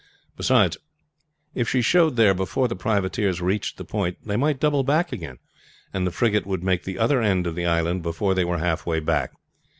Beside, if she showed there before the privateers reached the point they might double back again, and the frigate would make the other end of the island before they were halfway back.